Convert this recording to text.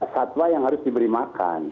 satwa yang harus diberi makan